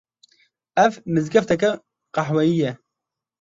Ev mizgefteke qehweyî ye